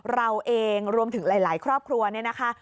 เราเองรวมถึงหลายครอบครัวเนี่ยนะคะ